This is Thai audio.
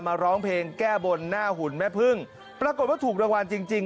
ร้องเพลงแก้บนหน้าหุ่นแม่พึ่งปรากฏว่าถูกรางวัลจริงจริง